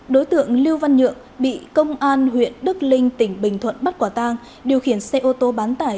đối tượng lưu văn nhượng bị công an huyện đức linh tỉnh bình thuận bắt quả tang điều khiển xe ô tô bán tải